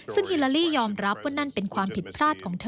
ซึ่งฮิลาลี่ยอมรับว่านั่นเป็นความผิดพลาดของเธอ